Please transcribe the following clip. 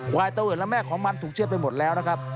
ควายเตอร์เอิญและแม่ของมันถูกเชื่อดไปหมดแล้วนะครับ